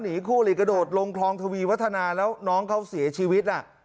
คู่หลีกระโดดลงคลองทวีวัฒนาแล้วน้องเขาเสียชีวิต